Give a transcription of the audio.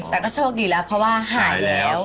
แต่ก็โชคดีแล้วเพราะว่าหายแล้ว